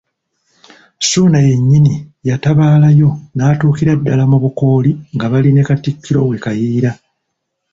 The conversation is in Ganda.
Ssuuna yennyini yatabaalayo n'atuukira ddala mu Bukooli nga bali ne Katikkiro we Kayiira.